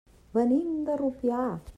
Venim de Rupià.